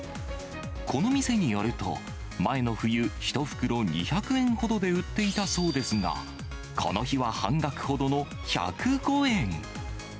この店によると、前の冬、１袋２００円ほどで売っていたそうですが、この日は半額ほどの１０５円。